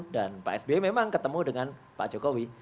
dan pak sby memang ketemu dengan pak jokowi